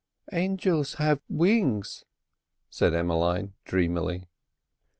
"Angels have wings," said Emmeline dreamily.